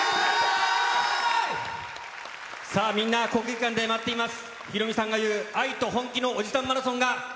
さあ、みんな、国技館で待っています。